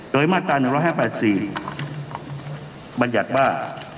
โดยมาตรา๑๕๘๔บัญญัติว่า